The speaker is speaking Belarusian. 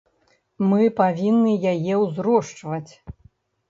Мы павінны яе ўзрошчваць.